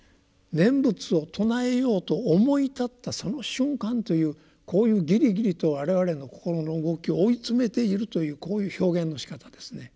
念仏を称えようと思い立ったその瞬間というこういうぎりぎりと我々の心の動きを追い詰めているというこういう表現のしかたですね。